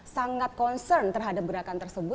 sangat concern terhadap gerakan tersebut